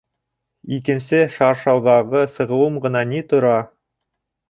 Икенсе шаршауҙағы сығыуым ғына ни тора!